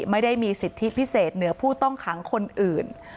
ไม่ได้มีสิทธิพิเศษเหนือผู้ต้องขังคนอื่น